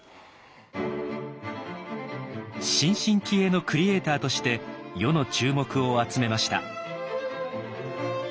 新進気鋭のクリエーターとして世の注目を集めました。